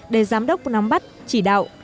để giám đốc nắm bắt chỉ đạo